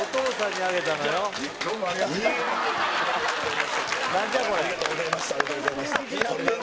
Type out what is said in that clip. ありがとうございます。